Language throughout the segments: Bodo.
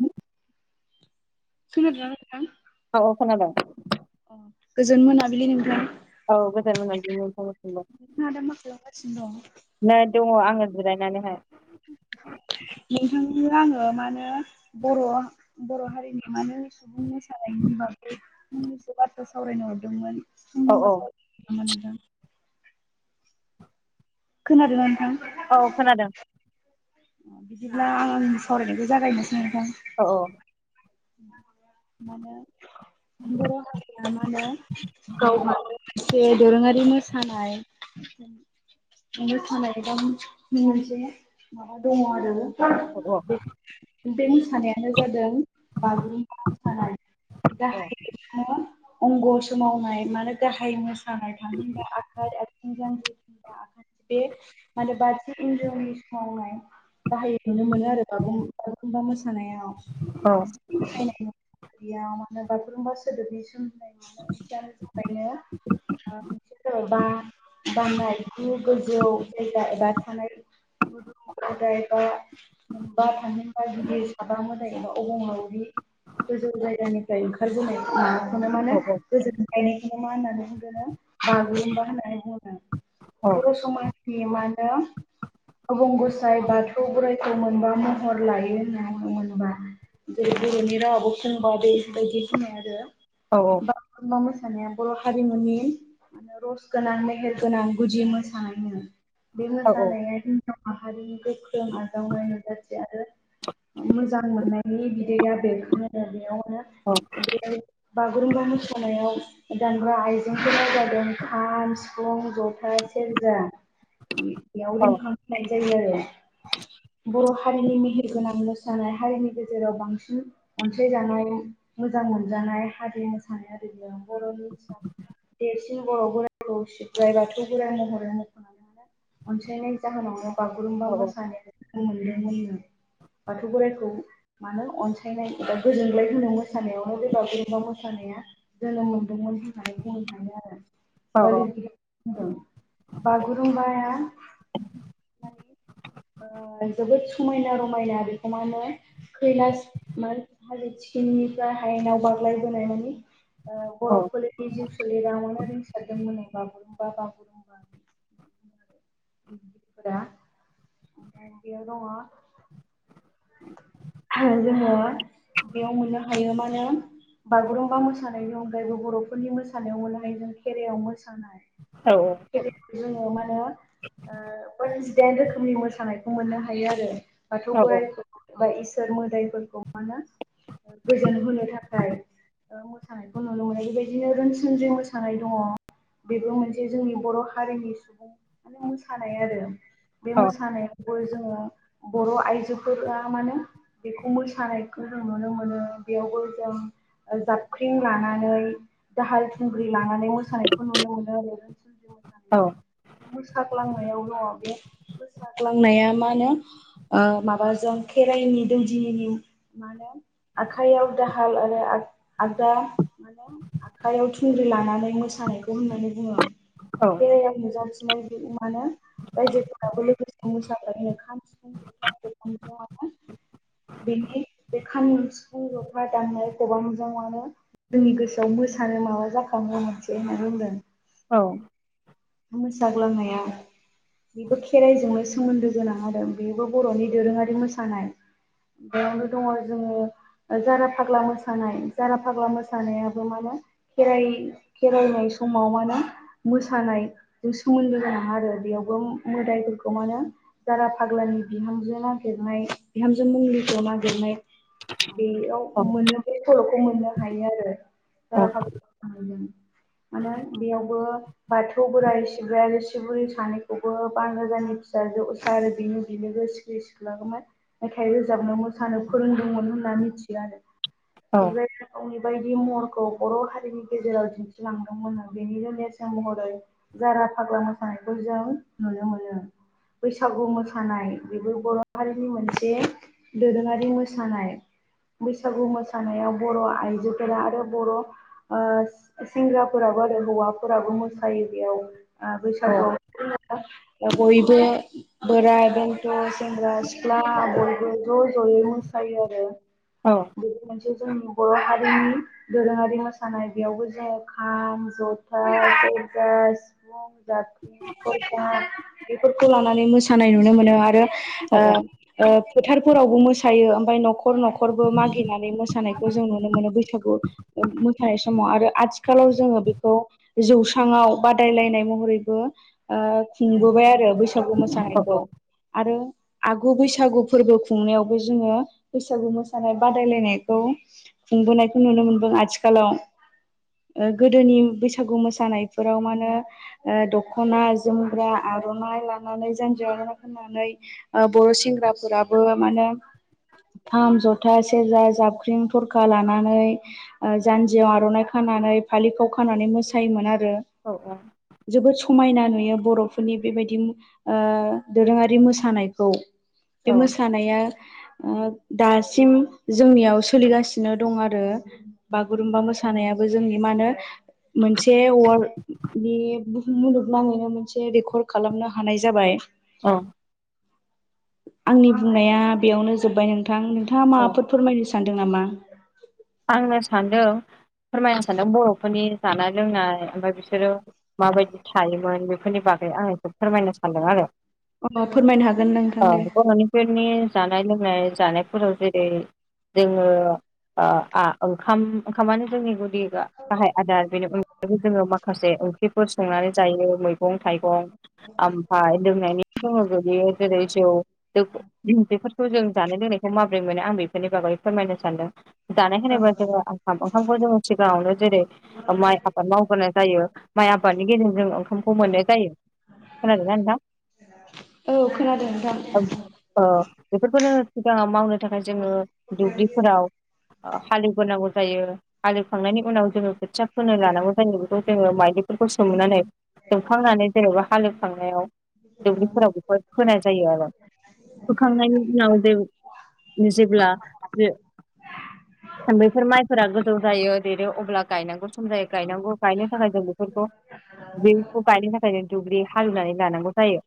औ खोनादों ना नोंथां? औ खोनादों अ गोजोन मोनाबिलि नोंथां। औ गोजोन मोनाबिलिनि नोंथांनिसिनबो। सिनो दं। नै दङ आङो जिरायनानैहाय। [inaudible] नोंथांनो आङो मानो बर' हारिनि मानो सुबुं मोसानायनि बागै फंनैसो बाथ्रा सावरायनो हरदोंमोन सम औ औ दंबा सावराय नामा नोंथां? खोनादों ना नोंथां? औ खोनादों। बिदिब्ला आं आंनि सावरायनायखौ जागायनोसै। नोंथां। औ औ। [inaudible] मानो बर' हारिया मानो गावहानो दोरोङारि मोसानाय नोंनो थानाय दा मोनसे माबा दङ आरो औ औ। बे मोसानायानो जादों बागुरुम्बा मोसानाय औ गाहायै अंग' सोमावनाय माने गाहाय मोसानाय थामहिनबा आखाइ आथिं जांख्रि बे माने बादि हिनजावनि सिमावनाय गाहायै नुनो मोनो आरो बुर बागुरुम्बा मोसानाया औ फायनायाव माने बागुरुमबा सोदोबनि सोमोन्दै जि दानो थाखाय नो सोर बा बामनाय गु गोजौ जायगा एबा थानाय गुदुमदाय बा ओ मोनबा थजेनबा गिदिर साबा मोदाय अबंलावरि गोजौ जायगानिफ्राय ओंखारबोनाय मा औ मानो गोजोनलायनायखौनो मा होननानै बुंदोंनो ओ बागुरुम्बा होननानै बुङो बर' समाजनि मानो आबुंगसाय बाथौ बोराइखौ मोनबा महर लायो होनना बुंनो मोनोबा जेरै बर'नि रावाबो सोंबा बेबायदि होनो आरो औ ब मा म मोसानाया बर' हारिमुनि म रस गोनां मेहेर गोनां गुदि मोसानायनो बे औ मोसानाया जोंना माहारिनि गोख्रों आजावनाय नुजाथि आरो मोजां मोननाय नोंनि बिदैआ बेरखाङोनो बेयावनो औ बेयाव बागुरुम्बा मोसानायाव गोदानग्रा आइजेंफोर जादों खाम सिफुं जथा सेरजा बेयाव रिंखां [unintelligible] बर' हारिनि मेहेर गोनां मोसानाय हारिनि गेर जेराव बांसिन अनसायजानाय मोजां मोनजानाय हारि मोसानाय आरो बर'नि देर जन बर' बोराइखौ सिब्राय बाथौ गोराइ महरै मख'नानै आरो अनसायनाय जाहोनावनो बागुरुमबा मोसानाय मोनदों होननो बाथौ बोराइखौ मानो अनसायनाय एबा गोजोनग्लाय होनो मोसानायावनो बेबा बोरेबा मोसानाया जोनोम मोनदोंमोन मखौ आं थाङो आरो बलि औ बागुरुमबाया ओ जोबोद समायना रमायना बेखौ म होनो खैला म हालो थिखिनिनिफ्राय हायेनाव बाग्लायबोनाय माने ओ औ बर'फोरनि जिउ सोलेरेरावावनो रोंसारदोंमोनोंबाबो [unintelligible] फोरा बेयो दङ जोङो बेयाव मोननो हायो मा होनो बागुरुम्बा मोसानायनि अनगायैबो बर'फोरनि मोसानायाव मोन हायो जों खेरायाव मोसानाय जोङो मानो ओ जेन रोखोमनि मोसानायखौ मोननो हायो आरो बाथौ औ बोर बा इसोर मोदायफोरखौ मा होनो गोजोन होनो थाखाय ओ मोसानायखौ नुनो मोनो बेबायदिनो रोनसुनज मोसानाय दङ बेबो मोनसे जोंनि बर' हारिनि सुबुं माने मोसानाय आरो बे मोसानायावबो जोङो बर' आइजोफोरा थार मानो बेखौ मोसानायखौ जों नुनो मोनो बेयावबो जों जाबख्रिं लानानै दाहाल थुंग्रि लानानै मो मोसानायखौ नुनो मोनो आरो ओनसोलनि औ मोसानायाव मोसाग्लांनायाव दङ बे मोसाग्लांनाया मा होनो ओ माबाजों खेराइनि दौदिनि माहोनो आखाइयाव दाहाल आरो आगदा माने आखयाव थुंग्रि लानानै मोसानायखौ होननानै बुङो औ खेराइाया नुजाथि मानो रायजोफोराबो लोगोसे मोसाफा खाम सिफुं गथां बिफां बेनि बे खाम सिफुं जथा दामनाय खबामजों माने जोंनि गोसोआव मोसानो माबा जाखांङो मोनसे होनना बुंदों औ मोसा ग्लांनाया बेबो खेराइजोंनो सोमोन्दो गोनां जादों बेबो बर'नि दोरोङारि मोसानाय बेयावनो दङ जोङो जारा फाग्ला मोसानाय जारा फाग्ला मोसानायाबो माने खेराय खेराइनाय समाव मा होने मोसानाय जों सोमोन्दो जानाङा आरो बेयावबो मोदायफोरखौ मा होनो जारा फाग्लानि बिहामजो नागिरनाय बिहामजो मुंलिखौ नागिरनाय बेयाव मोनो बे सल'खौ मोननो हायो आरो। जारा फाग्ला मोन आरो बेयावबो बाथौ [inaudible] बे बोराय सिब्राय आरो सिबुरि सानैखौबो बान राजानि फिसाजो उसा आरो बिनि बिलोगो सि सिख्ला खौ मेथाइ रोजाबनो मोसानो फोरोंदोंमोन होनना मिथियो आरो। [unintelligible] महरखौ बर' हारिनि गेजेराव दिन्थिलांदोंमोन आ बेनिनो नेरसोन महरै दायो जारा फाग्ला मोसानायखौ जों नुनो मोनो। बैसागु मोसानाय बेबो बर' हारिनि मोनसे दोरोङारि मोसानाय। बैसागु मोसानायाव बर' आइजोफोरा आरो बर' ओ सिंग्राफोराबो आरो हौवाफोराबो मोसायो। बेयाव ओ बैसागुआव [unintelligible] [inaudible] बयबो बोराय बेन्थ' सेंग्रा सिख्ला बयबो ज' ज'यै मोसायो आरो। बे मोनसे जोंनि बर' हारिनि दोरोङारि मोसानाय बेयावबो जाया खाम जथा गास [unintelligible] बेफोरखौ लानानै मोसानाय नुनो मोनो आरो ओ ओ फोथारफोरावबो मोसायो ओमफ्राय न'खर न'खरबो मागिनानै मोसा नायखौ जों नुनो मोनो बैसागु मोसानाय समाव आरो आथिखालाव जोङो बेखौ जौ स्राङाव बादायलायनाय महरैबो ओ खुंबोबाय आरो बैस सागु मोसानायखौ आरो आगु बैसागु फोरबो खुंनायावबो जोङो बैसागु मोसानाय बादायलायनायखौ बोनायखौ नुनो मोनदों आथिखालाव गोदोनि बैसागु मोसानाय फोराव माने ओ दख'ना, जोमग्रा, आर'नाइ लानानै जानजियाव आर'नाय फाननानै बर' सेंग्राफोराबो माने खाम जथा सेरजा जाबख्रिं थरखा लानानै जानजियाव आर'नाइ खा नानै फालिखौ खानानै मोसायोमोन आरो। ओ ओ जोबोद समायना नुयो बर'फोरनि बेबायदि ओ दोरोङारि मोसानायखौ। बे मोसानाया ओ दासिम जोंनियाव सोलिगासिनो दं आरो बागुरुमबा मोसानाया जोंनि मा नो मोनसे वरल्ड बे बुहुम मुलुगनाङैनो मोनसे रेकर्ड खालामनो हानाय जाबाय। औ आंनि बुंनाया बेयावनो जोब्बाय नोंथां नोंथाङा माबाफोर फोरमायनो सानदों दों नामा? आंनो सानदों फोरमायनो सानदों बर'फोरनि जानाय लोंनाय ओमफ्राय बिसोरो माबायदि थायोमोन बेफोरनि बागै आं एखौ फोरमायनो सानदों आरो। अ फोरमायनो ह औ बर'निफोरनि जानाय लोंनाय जानायफोराव जेरै जोंङो ओ आ ओंखाम ओंखामानो जोंनि गुदि गाहाय आदार बेनि अनगायैबो जोङो माखासे ओंख्रिफोर संनानै जायो मैगं थाइगं ओमफ्राय लोंनायनि जोङो बियो जेरै जौ बेफोरखौ जों जानाय बे लोंनायखौ मा बोरै मोनो आं बेफोरनि बागै फोरमायनो सानदों, जानाय औ होनोबा जोङो ओंखाम ओंखामखौ जोङो सिगांङावनो जेरै माइ आबाद मावबोनाय जायो माइ आबादनि गेजेरजों ओंखामखौ मोननाय जायो। खोनादों ना नोंथां? औ खोनादों नोंथां। बेफोरखौनो सिगाङाव मावनो थाखाय जोङो दुब्लिफोराव हालेव ग्रोनांगौ जायो हालेवखांनायनि उनाव जोंङो खोथिया फोनो लानांगौ जायो बेखौ जोङो माइलि खौ सोमनानै सोबखांनानै जेनेबा हालेवखांनायाव दुब्लिफोराव बेफोर फोनाय जायो आरो। होखांनायनि उनाव जे जेब्ला बे बेैफोर माइफोरा गोजौ जायो देरो अब्ला गायनांगौ जायै गायनांगौ गायनो थाखाय जों बेफोरखौ बेखौ गायनो थाखाय जों दुब्लि हालेवनानै लानांगौ। जायो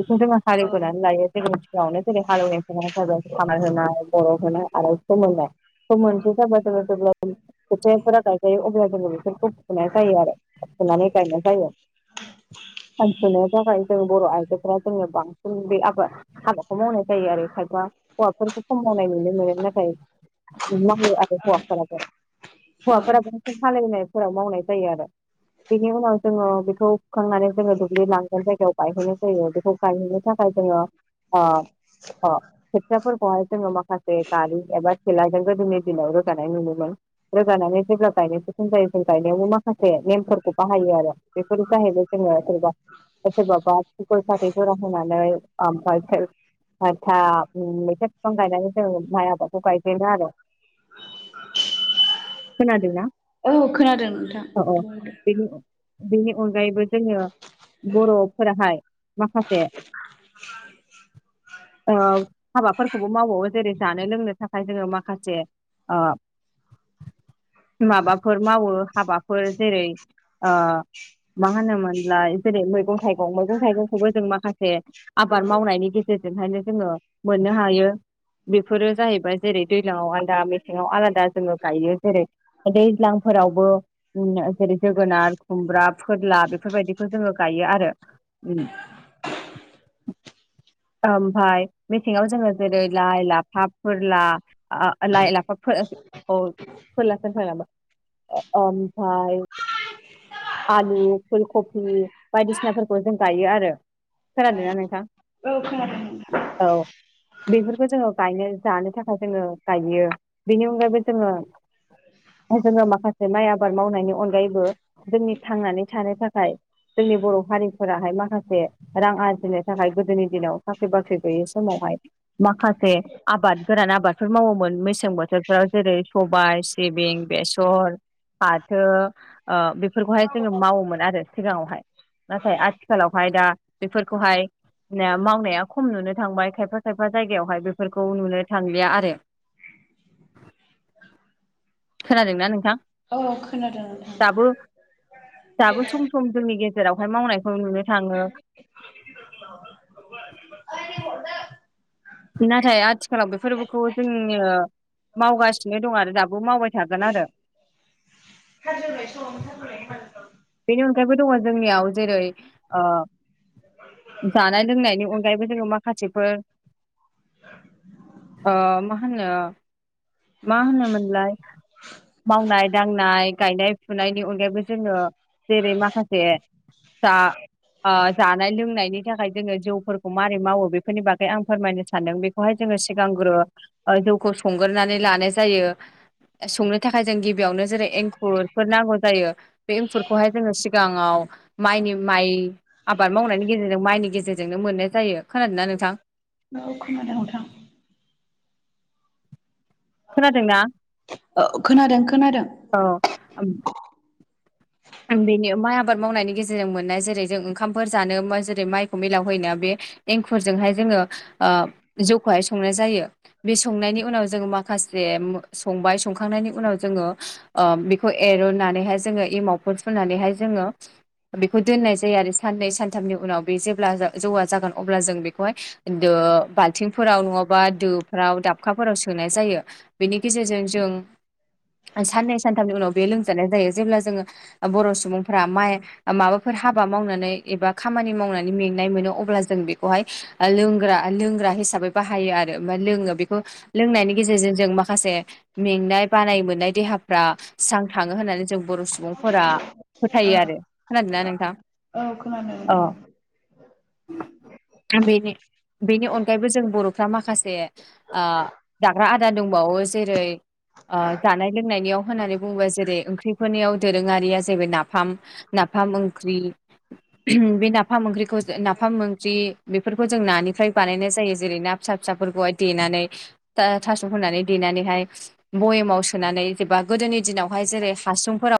बेखौ जोङो औ हालेवबोनानै लायो जोंनि सिगाङावनो जेरै हालेवखा जाब खा होना बर' होनाय आरो स मोननाय स मोनसे जाबा जा जेब्ला खोथियाफोरा गायजायो अब्ला बेफोरखौ फुनाय जायो आरो फुनानै गायनाय जायो। [unintelligible] जों बर' आइजोफोरा जोङो बां ज बे आबा आबादखौ मावनाय जायो आरो खायफा हौवाफोरखौ खम मावनाय नुनो मोनो नाथाय मावो आरो हौवाफोराबो, औ औ हौवाफोराबो हालेउ नाय फोर मावनाय जायो आरो। बेनि उनाव जोंङो बेखौ हुखांनानै जोङो दुब्लि लांगोन जायगायाव गायहैनाय जायो बेखौ गायहोननो थाखाय जोङो अ अ खेफोर बाय जङ माखासे गारि एबार तेलाजों गोदोनि दिनाव रोगानाय नुयोमोन रोगानानै जेब्ला गायनायसो सम जायो जों गायनायावबो माखासे नेमफोरखौ बाहायो आरो बेफोर जाहैबाय जोङो सोरबा सोरबाबा गय फाथै जरा होनानै ओमफाय [unintelligible] आतसा मैथा बिफां गायनानै जों माइ आबखौ गायजेनो आरो। खोनादोंना? औ खोनादों नोंथां औ औ बेनि बेनि अनगायैबो जोंङो बर'फोराहाय माखासे ओ हाबाफोरखौबो मावबावो जेरै जानो लोंनो थाखाय जोंङो माखासे ओ [inaudible] माबाफोर मावो हाबाफोर जेरै ओ मा होनोमोनलाय जेरै मैगं थाइगं मैगं थाइगंखौबो जों माखासे आबाद मावनायनि गेजेरजोंहायनो जोंङो मोननो हायो बेफोरो जाहैबाय जेरै दैज्लांव आलादा मेसेङाव आलादा जोङो गायो जेरै दैज्लांफोरावबो उन जेरै जोगोनार, खुमब्रा, फोरला बेफोरबायदिखौ जोङो गायो आरो। [inaudible] ओमफाय मेसेंव जोङो जेरै लाइ, लाफा, फोरला ओ लाइ, लाफा, फोर औ फलासोहोफ्लांलाय ओमफाय आलु, फुलकफि बायदिसिनाफोरखौ जों गायो आरो। खोनादों ना औ नोंथां? औ खोनादों। औ औ बेफोरखौ जोङो गायनो जानो थाखाय जोङो गायो बेनि अनगायैबो जोङो जोंङो माखासे माइ आबाद मावनायनि अनगायैबो जोंनि थांनानै थानो थाखाय जोंनि बर' हारिफोराहाय माखासे रां आरजिनो थाखाय गोदोनि दिनाव साख्रि- बाख्रि गैयै समावहाय माखासे आबाद गोरान आबादफोर मावोमोन मेसें बोथोर। बोसोरफोराव जेरै- सबायाइ, सिबिं, बेसर,, फाथो ओ बेफोरखौहाय जोङो मावोमोन आरो सिगाङावहाय नाथाय आथिखालावहाय दा बेफोरखौहाय,, मावनाया खम नुनो थांबाय खायफा- खायफा जायगायावहाय बेफोरखौ नुनो थांलिया आरो,,। खोनादोंना नोंथां? औ खोनादों नोंथां दाबो दाबो सम सम जोंनि गेजेराव मावनायखौ नुनो थाङो। नाथाय आथिखालाव बेफोरखौ जोङो मावगासिनो दं आरो दाबो मावबाय थागोन आरो [unintelligible] बेनि अनगायैबो दङ जोंनियाव जेरै ओ जानाय लोंनायनि अनगायैबो जोङो माखासेफोर ओ मा होनो मा होनोमोनलाय मावनाय दांनाय गायनाय फुनायनि अनगायैबो जोङो जेरै माखासे जा [inaudible] ओ जानाय लोंनायनि थाखाय जोङो जौफोरखौ मारै मावो बेफोरनि बागै आं फोरमायनो सानदों बेखौहाय जों जोङो सिगांग्रो जौखौ संग्रोनानै लानाय जायो। संनो थाखाय जों गिबियावनो जेरै एंखुरफोर नांगौ जायो बे फोरखौहाय जोङो सिगाङाव माइनि माइ आबाद मावनायनि गेजेरजों माइनि गेजेरजोंनो मोनो। जायो खोनादोंना नोंथां? औ खोनादों नोंथां। खोनादोंना? औ खोनादों खोनादों। [unintelligible] बेनो माइ आबाद मावनायनि गेजेरजों मोननाय जेरै जों ओंखामफोर जानो बा जेरै माइखौ मिलावहोयोना बे एंखुरजोंहाय जोङो ओ जौखौहाय संनाय जायो। बे संनायनि उनाव जोङो माखासे संबाय सखांनायनि उनाव जोङो ओ बेखौ एर'नानैहाय जोङो एमाव फुनानैहाय जोङो बेखौ दोननाय जायो आरो साननै सानथामनि उनाव बे जेब्ला जौवा जागोन अब्ला जों बेखौहाय बाल्थिंफोराव नङाबा दो राव दाबखाफोराव सोनाय जायो बेनि गेजेरजों जों साननै सानथामनि उनाव बे लोंजानाय जायो जेब्ला जोङो। बर' सुबुंफोरा माइ माबाफोर हाबा मावनानै एबा खामानि मावनानै मेंनाय मोनो अब्ला जों बेखौहाय लोंग्रा हिसाबै बाहायो आरो लोङो बेखौ लोंनायनि गेजेरजों जों जों माखासे मेंनाय बानाय मोननाय देहाफ्रा स्रां थाङो होननानै जों बर' सुबुं फोरा फोथायो आरो खोनादोंना नोंथां? औ खोनादों नोंथां औ बेनि बेनि अनगायैबो जों बर'फ्रा माखासे ओ जाग्रा आदार दंबावो जेरै ओ जानाय लोंनायनियाव होननानै बुङोबा जेरै ओंख्रिफोरनियाव दोरोङारिया जाहैबाय नाफाम नाफाम ओंख्रि। बे नाफाम ओंख्रिखौ नाफाम ओंख्रि बेफोरखौ जों नानिफ्राय बानायनाय जायो जेरै ना फिसा- फिसाफोरखौहाय देनानै थास' होनानै देनानैहाय,, बयेमाव सोनानै जेबा गोदोनि दिनावहाय जेरै- हासुंफोराव